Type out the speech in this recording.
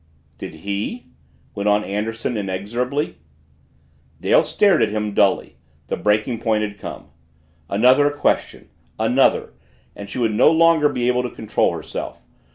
"Did he?" went on Anderson inexorably. Dale stared at him, dully the breaking point had come. Another question another and she would no longer be able to control herself.